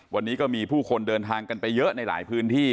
วันนี้ก็มีผู้คนเดินทางกันไปเยอะในหลายพื้นที่